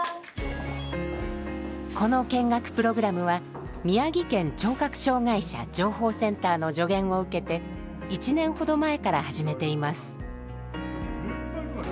この見学プログラムは宮城県聴覚障害者情報センターの助言を受けて１年ほど前から始めています。